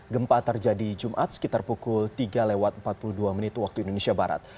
gempa terjadi jumat sekitar pukul tiga lewat empat puluh dua menit waktu indonesia barat